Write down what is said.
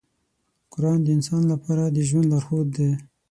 قرآن د انسان لپاره د ژوند لارښود دی.